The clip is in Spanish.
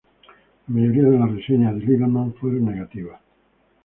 La mayoría de las reseñas de "Little Man" fueron negativas.